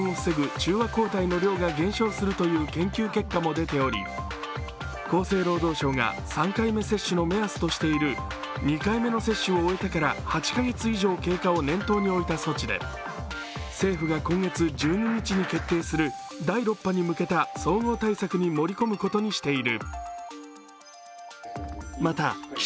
中和抗体の量が減少するという研究結果も出ており、厚生労働省が３回目接種の目安としている、２回目の接種を打ってから８カ月以上経過を念頭に置いた措置で政府が今月１２日に決定いする第６波に向けた総合対策に盛り込むことにしている。